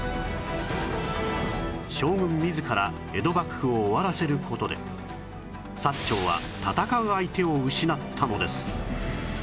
将軍自ら江戸幕府を終わらせる事で薩長は戦う相手を失ったのです